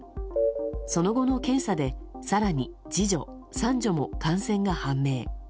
その後の検査で、更に次女、三女も感染が判明。